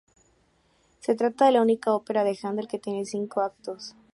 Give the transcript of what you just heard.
Se trata de la única ópera de Händel que tiene cinco actos.